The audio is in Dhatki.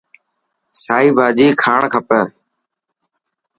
سائي ڀاڄي کائڻ کپي.